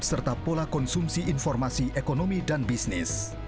serta pola konsumsi informasi ekonomi dan bisnis